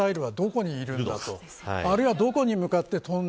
今、そのミサイルはどこにいるんだと。